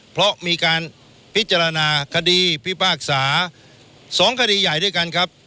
เพราะมีการพิจารณาคดีพิพากษา๒คดีใหญ่ด้วยกันครับ